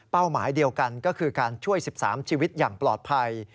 หมายเดียวกันก็คือการช่วย๑๓ชีวิตอย่างปลอดภัย